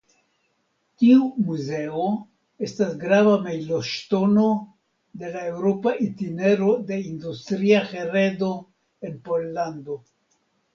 Tiu muzeo estas grava "mejloŝtono" de la Eŭropa Itinero de Industria Heredo en Pollando.